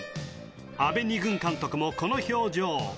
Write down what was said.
阿部２軍監督もこの表情